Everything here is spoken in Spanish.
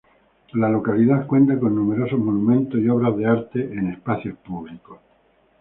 La localidad cuenta con numerosos monumentos y obras de artes en espacios públicos.